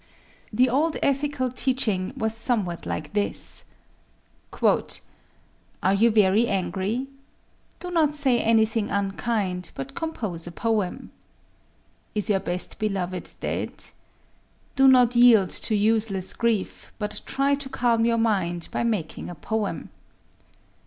The old ethical teaching was somewhat like this:—"Are you very angry?—do not say anything unkind, but compose a poem. Is your best beloved dead?—do not yield to useless grief, but try to calm your mind by making a poem.